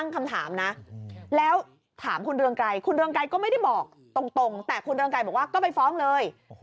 คุณเรืองไกรก็ไม่ได้บอกตรงแต่คุณเรืองไกรบอกว่าก็ไปฟ้องเลย